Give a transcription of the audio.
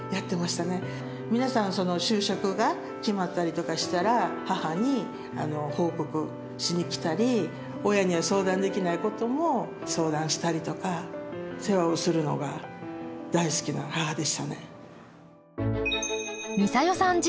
皆さん就職が決まったりとかしたら母に報告しに来たり親には相談できないことも相談したりとか世話をするのが大好きな母でしたね。